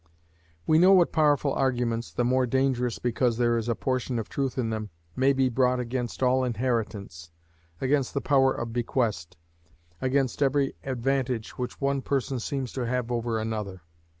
We know what powerful arguments, the more dangerous because there is a portion of truth in them, may be brought against all inheritance, against the power of bequest, against every advantage which one person seems to have over another.